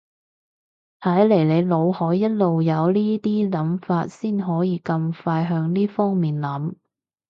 睇嚟你腦海一路有呢啲諗法先可以咁快向呢方面諗